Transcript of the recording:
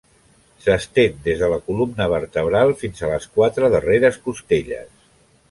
S'estén des de la columna vertebral fins a les quatre darreres costelles.